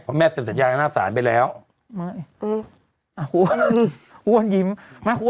เรียบเลยค่ะ